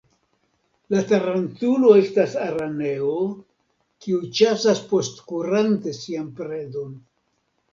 La tarantulo estas araneo, kiu ĉasas postkurante sian predon.